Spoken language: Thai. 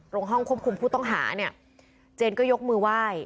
ห้องควบคุมผู้ต้องหาเนี่ยเจนก็ยกมือไหว้